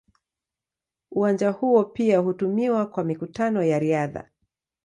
Uwanja huo pia hutumiwa kwa mikutano ya riadha.